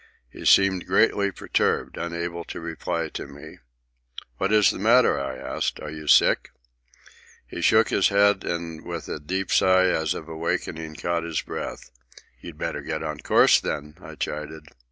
He seemed greatly perturbed, unable to reply to me. "What's the matter?" I asked. "Are you sick?" He shook his head, and with a deep sign as of awakening, caught his breath. "You'd better get on your course, then," I chided.